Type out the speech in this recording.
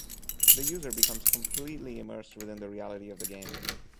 The user becomes completely immersed within the reality of the game.